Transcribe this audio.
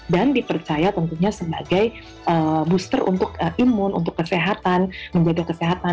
dan dipercaya tentunya sebagai booster untuk imun untuk kesehatan